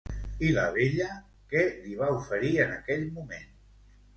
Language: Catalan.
I la vella, què li va oferir en aquell moment?